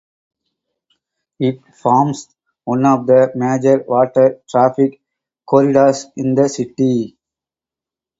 It forms one of the major water-traffic corridors in the city.